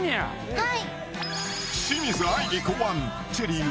はい。